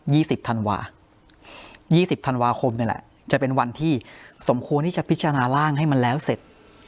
สิบธันวายี่สิบธันวาคมนี่แหละจะเป็นวันที่สมควรที่จะพิจารณาร่างให้มันแล้วเสร็จ